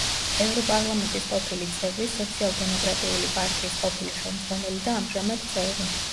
ევროპარლამენტის ყოფილი წევრი, სოციალ-დემოკრატიული პარტიის ყოფილი ხელმძღვანელი და ამჟამად წევრი.